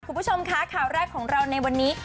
คุณผู้ชมคะข่าวแรกของเราในวันนี้